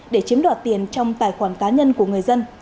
để chiếm đoạt tiền trong tài khoản cá nhân của người dân